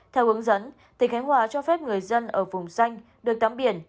theo hướng dẫn tỉnh khánh hòa cho phép người dân ở vùng xanh được tắm biển